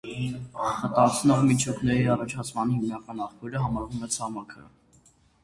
Խտացնող միջուկների առաջացման հիմնական աղբյուրը համարվում է ցամաքը։